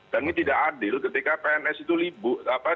dan ini tidak adil ketika pns itu libur